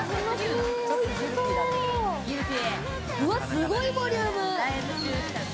すごいボリューム！